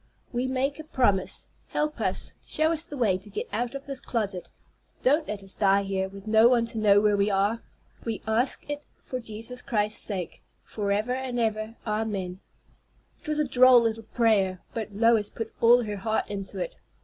We make a promise. Help us. Show us the way to get out of this closet. Don't let us die here, with no one to know where we are. We ask it for Jesus Christ's sake. Forever and forever. Amen." It was a droll little prayer, but Lois put all her heart into it.